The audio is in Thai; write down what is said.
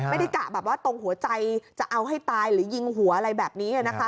กะแบบว่าตรงหัวใจจะเอาให้ตายหรือยิงหัวอะไรแบบนี้นะคะ